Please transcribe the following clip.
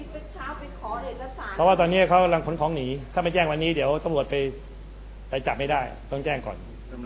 ไปขอเอกสารเพราะว่าตอนนี้เขากำลังขนของหนีถ้าไม่แจ้งวันนี้เดี๋ยวตำรวจไปจับไม่ได้ต้องแจ้งก่อน